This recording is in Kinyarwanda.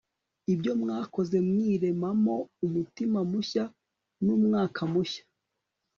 ibyo mwakoze mwirememo umutima mushya numwuka mushya